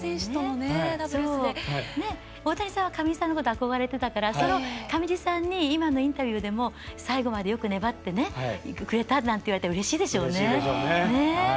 大谷さんは上地さんに憧れていたから上地さんに今のインタビューでよく粘ってくれたといわれて、うれしいでしょうね。